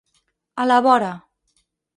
A la vora.